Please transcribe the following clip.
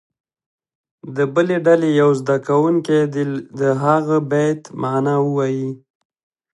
د بلې ډلې یو زده کوونکی دې د هغه بیت معنا ووایي.